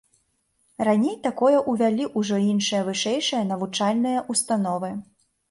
Раней такое ўвялі ўжо іншыя вышэйшыя навучальныя ўстановы.